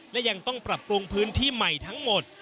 และยังต้องปรับปรุงพื้นที่ใหม่ทั้งหมด